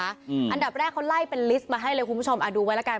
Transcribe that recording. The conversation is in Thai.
อันดับแรกเขาไล่เป็นลิสต์มาให้เลยคุณผู้ชมอ่าดูไว้แล้วกัน